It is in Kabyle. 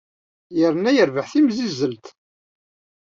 Yerna yerbeḥ timzizzelt.